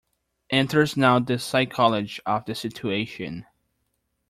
Enters now the psychology of the situation.